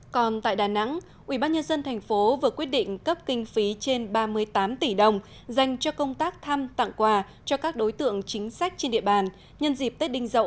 còn tại đà nẵng ubnd tp vừa quyết định cấp kinh phí trên ba mươi tám tỷ đồng dành cho công tác thăm tặng quà cho các đối tượng chính sách trên địa bàn nhân dịp tết đinh dậu hai nghìn một mươi bảy